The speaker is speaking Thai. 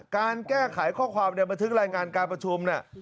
การแก้ไขข้อความในบันทึกรายงานการประชุมเนี่ย